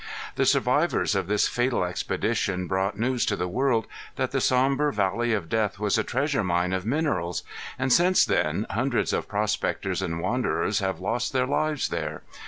The survivors of this fatal expedition brought news to the world that the sombre valley of death was a treasure mine of minerals; and since then hundreds of prospectors and wanderers have lost their lives there.